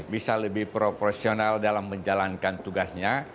bisa lebih proporsional dalam menjalankan tugasnya